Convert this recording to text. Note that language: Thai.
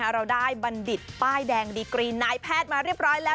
เราได้บัณฑิตป้ายแดงดีกรีนายแพทย์มาเรียบร้อยแล้ว